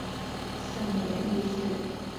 胜野莉世。